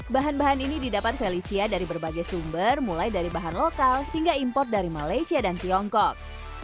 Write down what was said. bahan bahan ini didapat felicia dari berbagai sumber mulai dari bahan lokal hingga impor dari malaysia dan tiongkok